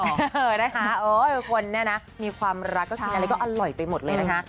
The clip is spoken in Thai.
เออนะคะคนเนี่ยนะมีความรักก็กินอะไรก็อร่อยไปหมดเลยนะคะ